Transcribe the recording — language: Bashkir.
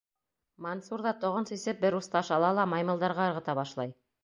Мансур ҙа, тоғон сисеп, бер ус таш ала ла маймылдарға ырғыта башлай.